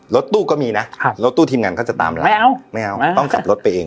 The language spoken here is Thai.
รถตู้ก็มีน่ะครับรถตู้ทีมงานเขาจะตามแล้วไม่เอาไม่เอาต้องขับรถไปเอง